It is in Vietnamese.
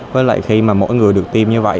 với lại khi mỗi người được tiêm như vậy